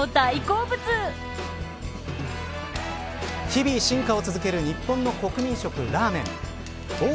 日々、進化を続ける日本の国民食ラーメン。